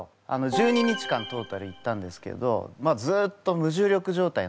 １２日間トータル行ったんですけどずっと無重力状態なんですよ。